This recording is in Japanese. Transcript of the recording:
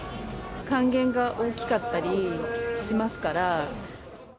還元が大きかったりしますから。